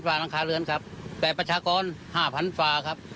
ฟารางคาเรือนครับแต่ปัจฉากรห้าพันฟาครับ